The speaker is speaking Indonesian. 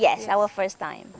ya pertama kali kami datang